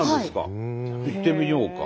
行ってみようか。